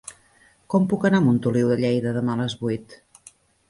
Com puc anar a Montoliu de Lleida demà a les vuit?